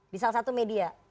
di salah satu media